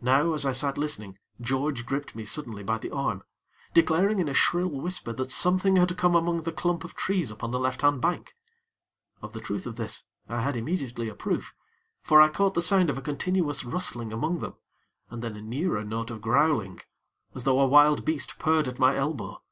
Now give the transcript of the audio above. Now as I sat listening, George gripped me suddenly by the arm, declaring in a shrill whisper that something had come among the clump of trees upon the left hand bank. Of the truth of this, I had immediately a proof; for I caught the sound of a continuous rustling among them, and then a nearer note of growling, as though a wild beast purred at my elbow.